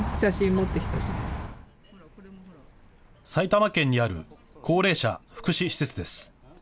埼玉県にある高齢者福祉施設です。